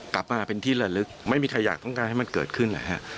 กลับมาเป็นที่ละลึกไม่มีใครอยากให้มันเกิดขึ้น